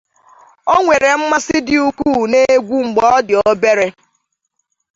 O nwere mmasị dị ukwuu na egwu mgbe ọ dị obere.